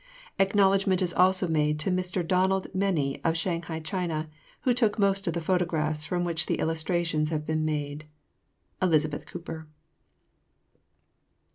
Acknowledgment is also made to Mr. Donald Mennie of Shanghai, China, who took most of the photographs from which the illustrations have been made. Elizabeth Cooper.